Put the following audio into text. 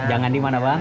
jangan di mana bang